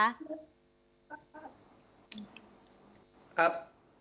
ครับ